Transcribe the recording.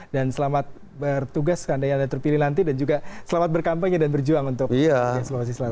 dan selamat bertugas anda yang terpilih nanti dan juga selamat berkampanye dan berjuang untuk sulawesi selatan